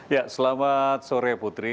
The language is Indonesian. ya selamat sore putri